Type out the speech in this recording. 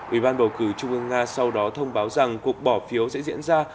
ủy ban bầu cử trung ương nga sau đó thông báo rằng cuộc bỏ phiếu sẽ diễn ra